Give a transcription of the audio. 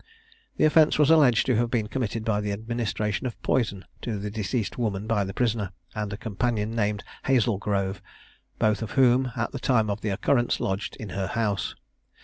The offence was alleged to have been committed by the administration of poison to the deceased woman by the prisoner, and a companion named Hazlegrove, both of whom, at the time of the occurrence, lodged in her house.